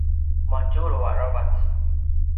madjulu aravac